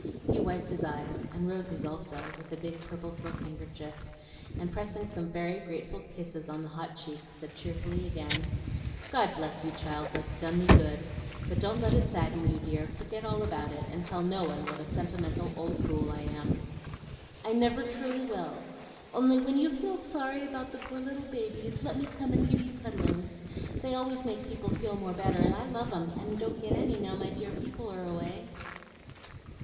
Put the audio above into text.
He wiped his eyes, and Rosy's also, with the big purple silk handkerchief, and pressing some very grateful kisses on the hot cheeks, said cheerfully again, "God bless you, child, that's done me good! But don't let it sadden you, dear; forget all about it, and tell no one what a sentimental old fool I am." "I never truly will! Only when you feel sorry about the poor little babies, let me come and give you cuddlings. They always make people feel more better, and I love 'em, and don't get any now my dear people are away."